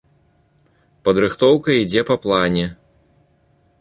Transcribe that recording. Падрыхтоўка ідзе па плане.